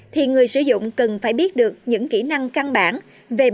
thì người sử dụng cần phải biết được những kỹ năng căn bản về bảo mật